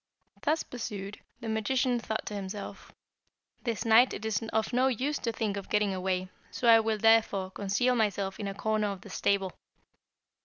Thus pursued the magician thought to himself, 'This night it is of no use to think of getting away, so I will, therefore, conceal myself in a corner of the stable.'